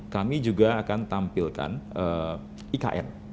kami juga akan tampilkan ikn